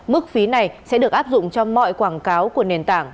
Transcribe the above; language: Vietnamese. mức phí này sẽ được áp dụng cho mọi quảng cáo của nền tảng